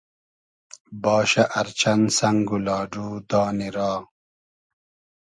باشۂ ار چئن سئنگ و لاۮو دانی را